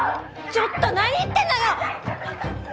ちょっと何言ってんのよ！